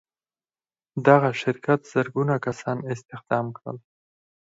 دغه شرکت زرګونه کسان استخدام کړل